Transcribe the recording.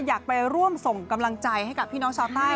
อยากไปร่วมส่งกำลังใจให้กับพี่น้องชาวใต้